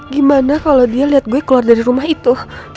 gimana kalau dia lihat gue keluar dari rumah itu